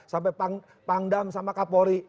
sampai pangdam sama kapolri